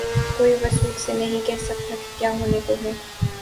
کوئی وثوق سے نہیں کہہ سکتا کہ کیا ہونے کو ہے۔